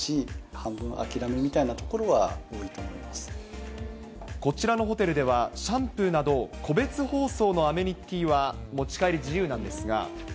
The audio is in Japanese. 半分諦めみたいなところは多いとこちらのホテルでは、シャンプーなど、個別包装のアメニティーは持ち帰り自由なんですが。